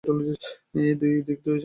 এর দুই দিকে রয়েছে মনোরম রংপুর গলফ ক্লাব।